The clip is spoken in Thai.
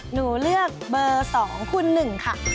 หนูเลือกเบอร์๒คุณ๑ค่ะ